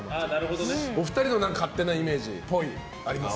お二人の勝手なイメージっぽい、ありますか。